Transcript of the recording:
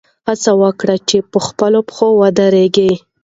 هڅه وکړئ چې په خپلو پښو ودرېږئ.